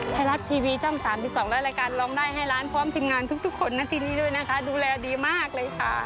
ไทยรัฐทีวีช่อง๓๒และรายการร้องได้ให้ล้านพร้อมทีมงานทุกคนนะที่นี่ด้วยนะคะดูแลดีมากเลยค่ะ